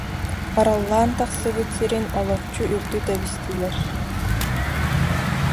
Араллаан тахсыбыт сирин олорчу үлтү тэбистилэр